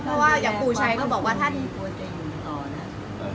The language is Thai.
มีโอกาสที่คนอื่นก็จะกลับมาเป็น